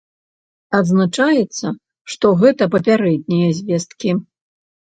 Адзначаецца, што гэта папярэднія звесткі.